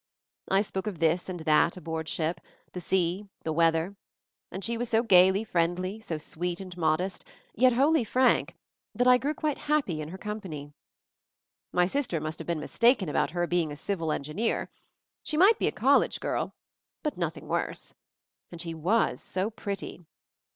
I spoke of this and that aboard ship — the sea, the weather; and she was so gaily friendly, so sweet and modest, yet wholly frank, that I grew quite happy in her company. My sister must have been mistaken about her being a civil engineer. She might be a college girl — but nothing worse. And she was so pretty!